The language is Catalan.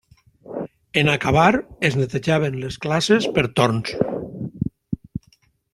En acabar es netejaven les classes per torns.